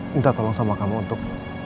minta tolong sama kamu untuk